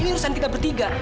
ini urusan kita bertiga